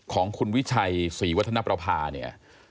ของคุณวิชัยศรีวัฒนประภาเนี่ย